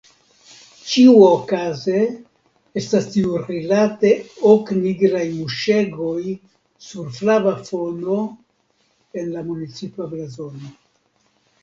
Ĉiuokaze estas tiurilate ok nigraj muŝegoj sur flava fono en la municipa blazono.